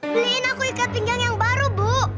beliin aku ikat pinggang yang baru bu